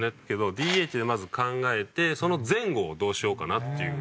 ＤＨでまず考えてその前後をどうしようかなっていう。